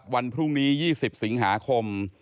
วันพรุ่งนี้๒๐สิงหาคม